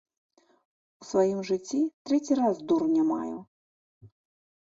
У сваім жыцці трэці раз дурня маю.